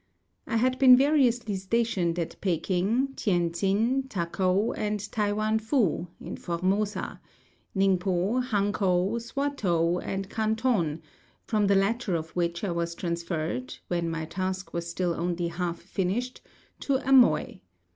I had been variously stationed at Peking, Tientsin, Takow, and Taiwan Fu (in Formosa), Ningpo, Hankow, Swatow, and Canton, from the latter of which I was transferred when my task was still only half finished to Amoy.